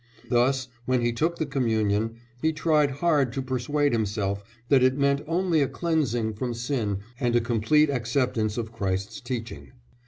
Thus when he took the Communion, he tried hard to persuade himself that it meant only a cleansing from sin and a complete acceptance of Christ's teaching.